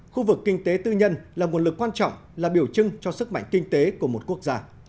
khu vực kinh tế tư nhân là nguồn lực quan trọng là biểu trưng cho sức mạnh kinh tế của một quốc gia